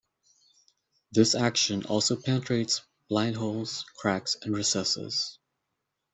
This action also penetrates blind holes, cracks, and recesses.